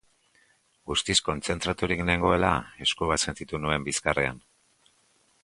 Guztiz kontzentraturik nengoela, esku bat sentitu nuen bizkarrean.